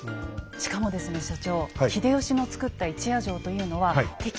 しかもですね所長。